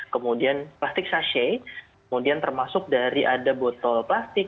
kemudian plastik sache kemudian termasuk dari ada botol plastik